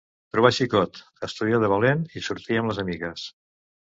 Trobar xicot, estudiar de valent i sortir amb les amigues.